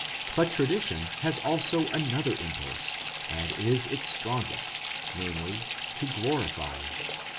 But tradition has also another impulse, and it is its strongest; namely to glorify.